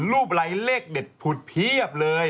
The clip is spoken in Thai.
รูปอะไรเลขเด็ดผุดเพียบเลย